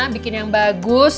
bikin yang bagus